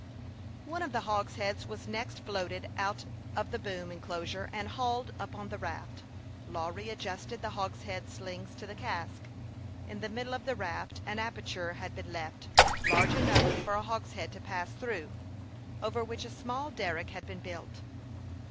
One of the hogsheads was next floated out of the boom enclosure, and hauled upon the raft. Lawry adjusted hogshead slings as they are technically called by sailors to the cask. In the middl3 of the raft an aperture had been left, large enough for a hogshead to pass through, over which a small derrick had been built.